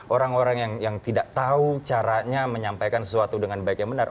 orang orang yang tidak tahu caranya menyampaikan sesuatu dengan baik yang benar